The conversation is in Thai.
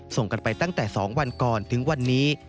ส่งกันไปตั้งแต่๒วันก่อนถึงวันนี้